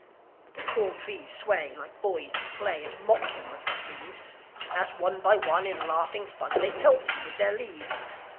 The tall trees sway like boys at play, And mock him when he grieves, As one by one, in laughing fun, They pelt him with their leaves.